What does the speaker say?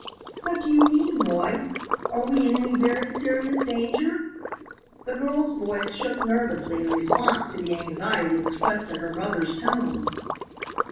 "What do you mean, Roy? Are we in any very serious danger?" The girl's voice shook nervously in response to the anxiety expressed in her brother's tone.